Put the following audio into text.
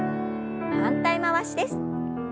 反対回しです。